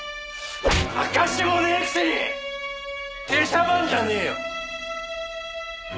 証しもねぇくせに出しゃばんじゃねぇよ！